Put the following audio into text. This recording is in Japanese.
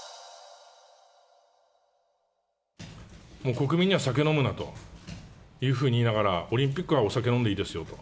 国民には酒飲むなというふうに言いながら、オリンピックはお酒飲んでいいですよと。